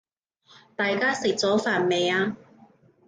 大家食咗飯未呀？